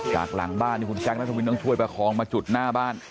จากหลังบ้านคุณชักและทรวมช่วยประครองมาจุดหน้าบ้าน